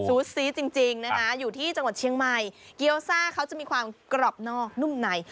ซีสจริงจริงนะคะอยู่ที่จังหวัดเชียงใหม่เกี้ยวซ่าเขาจะมีความกรอบนอกนุ่มใน